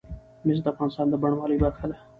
مس د افغانستان د بڼوالۍ برخه ده.